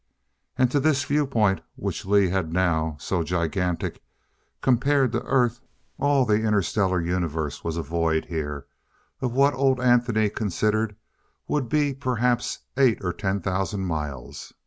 And to this viewpoint which Lee had now so gigantic, compared to Earth all the Inter Stellar universe was a void here of what old Anthony considered would be perhaps eight or ten thousand miles.